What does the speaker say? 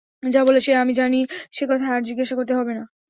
যা বলে সে আমি জানি, সে কথা আর জিজ্ঞাসা করতে হবে না।